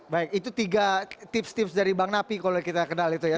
baik itu tiga tips tips dari bang napi kalau kita kenal itu ya